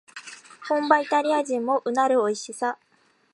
本場イタリア人もうなるおいしさ